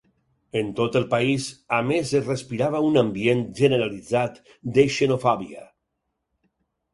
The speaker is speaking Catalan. En tot el país, a més es respirava un ambient generalitzat de xenofòbia.